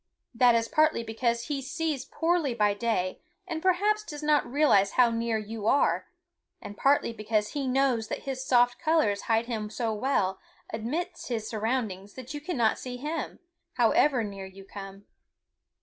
That is partly because he sees poorly by day and perhaps does not realize how near you are, and partly because he knows that his soft colors hide him so well amidst his surroundings that you cannot see him, however near you come.